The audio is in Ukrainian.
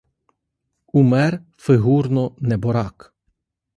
Умер фигурно неборак!